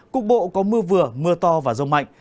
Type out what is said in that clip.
cục bộ có mưa vừa mưa to và rông mạnh